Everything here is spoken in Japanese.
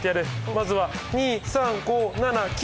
まずは２３５７９。